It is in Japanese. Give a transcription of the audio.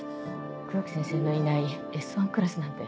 黒木先生のいないＳ１クラスなんて。